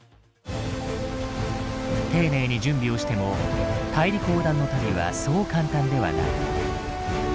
丁寧に準備をしても大陸横断の旅はそう簡単ではない。